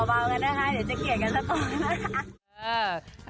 เบากันนะคะเดี๋ยวจะเขียนกันซะต่อ